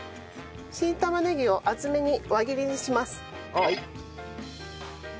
新玉ねぎを厚めに輪切りにします。